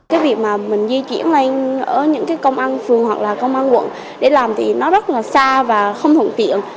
cái việc mà mình di chuyển lên ở những cái công an phường hoặc là công an quận để làm thì nó rất là xa và không thuận tiện